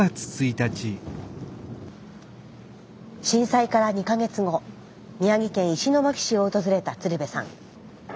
震災から２か月後宮城県石巻市を訪れた鶴瓶さん。